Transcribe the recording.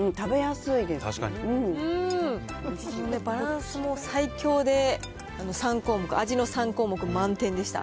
バランスも最強で、３項目、味の３項目、満点でした。